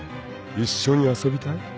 一緒に遊びたい？］